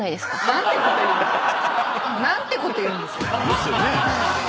何てこと言うんですか。